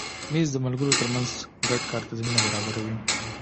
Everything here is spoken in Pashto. مېز د ملګرو تر منځ ګډ کار ته زمینه برابروي.